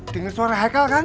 tinggal suara haikal kan